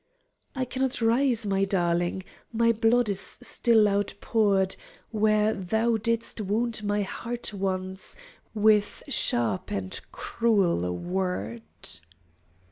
"I cannot rise, my darling, My blood is still outpoured Where thou didst wound my heart once With sharp and cruel word."